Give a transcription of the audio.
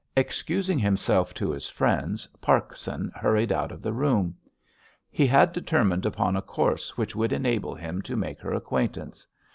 Excusing himself to his friends, Parkson hurried out of the room. He had determined upon a course which would enable him to make her acquaintance.